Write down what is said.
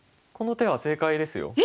この手は正解ですよ。